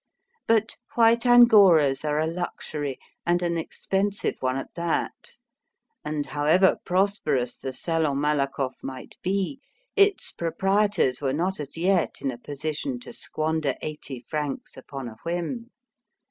But white angoras are a luxury, and an expensive one at that, and, however prosperous the Salon Malakoff might be, its proprietors were not as yet in a position to squander eighty francs upon a whim.